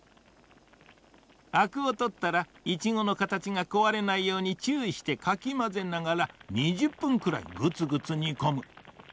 アクをとったらイチゴのかたちがこわれないようにちゅういしてかきまぜながら２０分くらいグツグツにこむ。